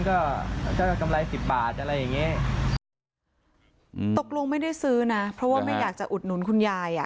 ก็ถ้ากำไรสิบบาทอะไรอย่างเงี้ยอืมตกลงไม่ได้ซื้อนะเพราะว่าไม่อยากจะอุดหนุนคุณยายอ่ะ